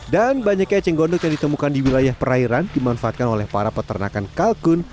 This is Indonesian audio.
dan banyaknya cenggondok yang ditemukan di wilayah perairan dimanfaatkan oleh para peternakan kalkun